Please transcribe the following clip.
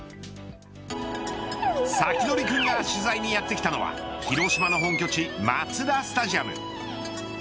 サキドリくんが取材にやってきたのは広島の本拠地マツダスタジアム。